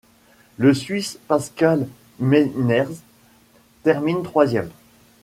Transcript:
Le Suisse Pascal Meinherz termine troisième.